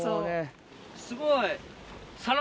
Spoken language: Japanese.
すごい。